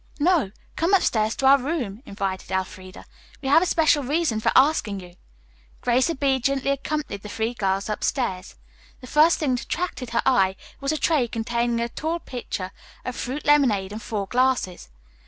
"No; come upstairs to our room," invited Elfreda. "We have a special reason for asking you." Grace obediently accompanied the three girls upstairs. The first thing that attracted her eye was a tray containing a tall pitcher of fruit lemonade and four glasses.